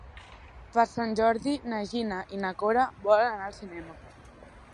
Per Sant Jordi na Gina i na Cora volen anar al cinema.